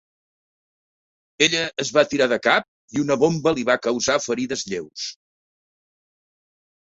Ella es va tirar de cap i una bomba li va causar ferides lleus.